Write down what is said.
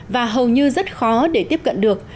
và hầu như rất khó để tiếp cận được